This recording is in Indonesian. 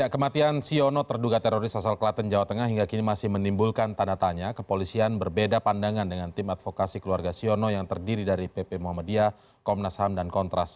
kematian siono terduga teroris asal kelaten jawa tengah hingga kini masih menimbulkan tanda tanya kepolisian berbeda pandangan dengan tim advokasi keluarga siono yang terdiri dari pp muhammadiyah komnas ham dan kontras